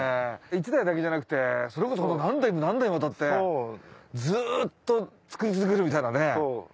一代だけじゃなくてそれこそ何代も何代もわたってずっと作り続けるみたいなね。